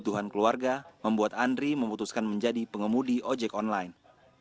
ketuhan keluarga membuat andri memutuskan menjadi pengemudi ojek online